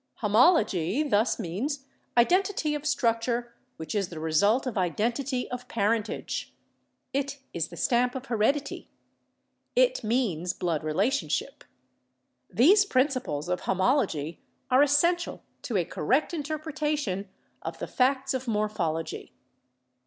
Homology thus means identity of structure which is the result of identity EVIDENCES OF ORGANIC DESCENT 141 of parentage. It is the stamp of heredity. It means blood relationship. These principles of homology are essential to a correct interpretation of the facts of morphology.